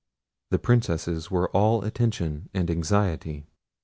The princesses were all attention and anxiety.